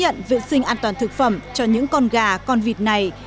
thừa nhận vệ sinh an toàn thực phẩm cho những con gà con vịt này